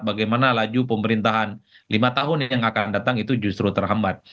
bagaimana laju pemerintahan lima tahun yang akan datang itu justru terhambat